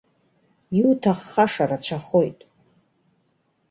Иуҭаххаша рацәахоит.